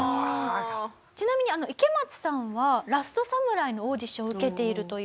ちなみに池松さんは『ラストサムライ』のオーディション受けているという。